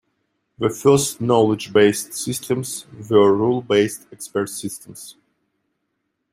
The first knowledge-based systems were rule based expert systems.